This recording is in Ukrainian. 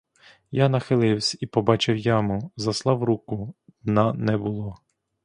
Я нахиливсь і побачив яму, заслав руку — дна не було.